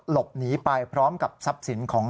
หลบหนีไปพร้อมกับทรัพย์สินของ